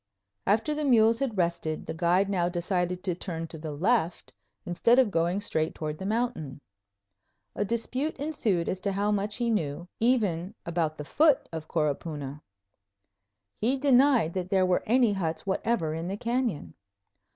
After the mules had rested, the guide now decided to turn to the left instead of going straight toward the mountain. A dispute ensued as to how much he knew, even about the foot of Coropuna. He denied that there were any huts whatever in the canyon.